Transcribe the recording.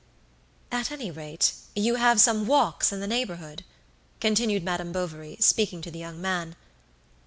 "At any rate, you have some walks in the neighbourhood?" continued Madame Bovary, speaking to the young man.